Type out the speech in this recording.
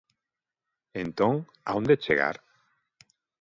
Entón, a onde chegar?